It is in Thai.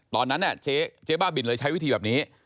ตอนนั้นเจ๊บ้าบินเลยใช้วิธีแบบนี้